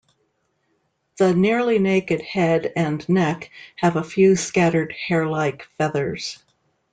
The nearly naked head and neck have a few scattered hair-like feathers.